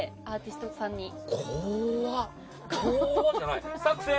アーティストさんに。